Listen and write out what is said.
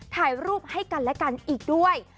ถ่ายรูปให้กันและกันอีกด้วย